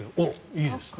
いいですね。